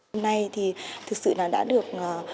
hôm nay thì thực sự đã được